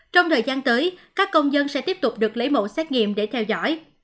trong thời gian tới các công dân sẽ tiếp tục được lấy mẫu xét nghiệm để theo dõi